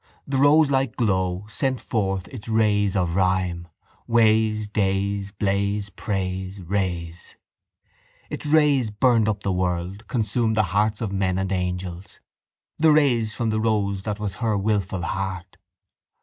The roselike glow sent forth its rays of rhyme; ways, days, blaze, praise, raise. Its rays burned up the world, consumed the hearts of men and angels: the rays from the rose that was her wilful heart.